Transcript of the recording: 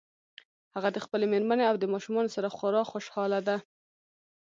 هغه د خپلې مېرمنې او ماشومانو سره خورا خوشحاله ده